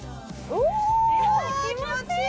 うわ気持ちいい！